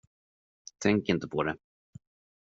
Tänk inte på det.